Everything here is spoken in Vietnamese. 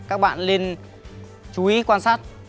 các bạn nên chú ý quan sát